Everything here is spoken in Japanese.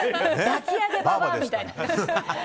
抱き上げばばあみたいな。